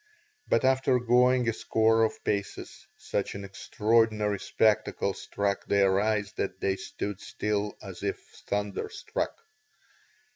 But after going a score of paces such an extraordinary spectacle struck their eyes that they stood still as if thunderstruck.